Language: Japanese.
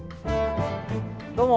どうも。